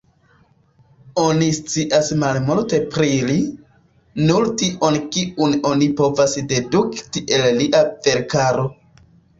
Oni scias malmulte pri li, nur tion kiun oni povas dedukti el lia verkaro.